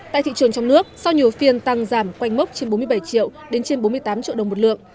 tại thị trường trong nước sau nhiều phiên tăng giảm quanh mốc trên bốn mươi bảy triệu đến trên bốn mươi tám triệu đồng một lượng